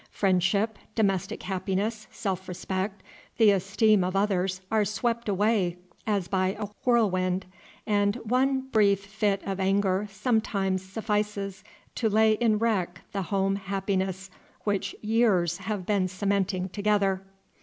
Friendship, domestic happiness, self respect, the esteem of others, are swept away as by a whirlwind, and one brief fit of anger sometimes suffices to lay in wreck the home happiness which years have been cementing together.